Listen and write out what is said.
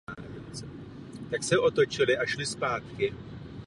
Obyvatelé jsou převážně maďarské národnosti.